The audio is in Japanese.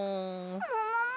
ももも！？